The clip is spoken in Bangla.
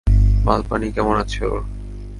মাল-পানি কেমন আছে ওর?